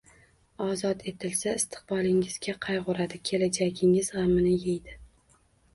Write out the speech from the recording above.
Ozod etilsa, istiqbolingizga qayg’uradi, kelajagingiz g’amini yeydi.